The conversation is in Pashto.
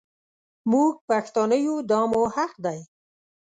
مونږ پښتانه يو دا مو حق دی.